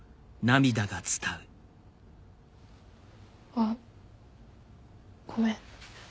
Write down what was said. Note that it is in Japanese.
あっごめん。